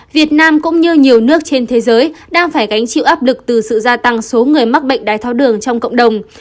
việt nam cũng như nhiều nước trên thế giới đang phải gánh chịu áp lực từ sự gia tăng số người mắc bệnh đái tháo đường trong cộng đồng